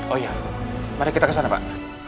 oh iya mari kita kesana pak